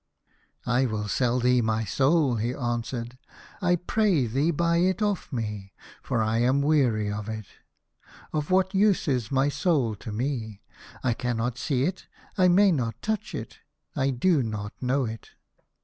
" I will sell thee my soul," he answered :" I pray thee buy it off me, tor I am weary of it. Of what use is my soul to me ? I cannot see it. I may not touch it. I do not know it."